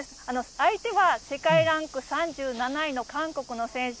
相手は世界ランク３７位の韓国の選手。